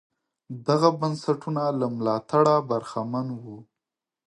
دغه بنسټونه له ملاتړه برخمن وو.